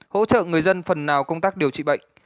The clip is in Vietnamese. hỗ trợ người dân phần nào công tác điều trị bệnh